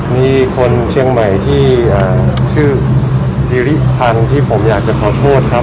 มีคนเชียงใหม่ที่ชื่อสิริพันธ์ที่ผมอยากจะขอโทษครับ